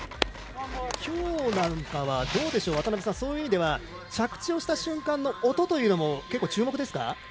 今日なんかは、渡辺さんそういう意味では着地をした瞬間の音というのも結構、注目ですか？